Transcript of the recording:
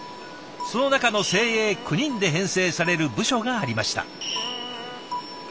その中の精鋭９人で編成される部署がありました。